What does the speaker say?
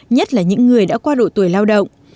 nhất là những người đã qua độ tuổi lao động